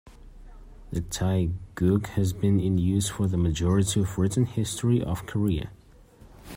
The taegeuk has been in use for the majority of written history of Korea.